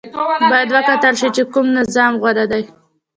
باید وکتل شي چې کوم نظام غوره دی.